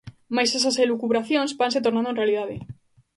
Mais esas elucubracións vanse tornando en realidade.